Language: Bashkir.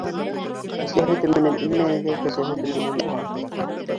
Әсә һөтө менән инмәгәнгә кәзә һөтө менән инмәҫ.